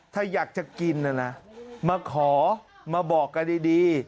ถ้าอยากจะกินนะนะมาขอมาบอกกันดี